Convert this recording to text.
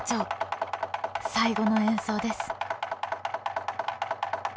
最後の演奏です。